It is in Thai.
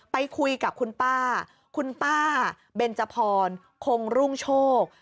ไปคุยกับคุณป้าคุณป้าเบนจพรคงรุ่งโชค